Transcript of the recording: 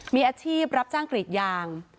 มีอาชีพรับจ้างกรีดยาง